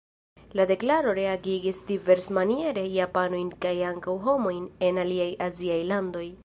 La deklaro reagigis diversmaniere japanojn kaj ankaŭ homojn en aliaj aziaj landoj.